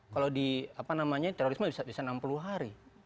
kalau di terorisme bisa enam puluh hari